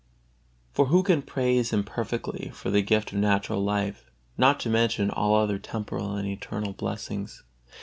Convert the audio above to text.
For who can praise Him perfectly for the gift of natural life, not to mention all other temporal and eternal blessings?